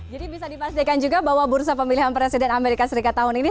jadi bisa dipastikan juga bahwa bursa pemilihan presiden amerika serikat tahun ini